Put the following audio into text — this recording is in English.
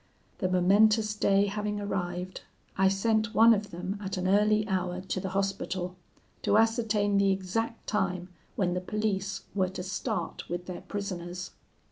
"The momentous day having arrived, I sent one of them at an early hour to the Hospital, to ascertain the exact time when the police were to start with their prisoners.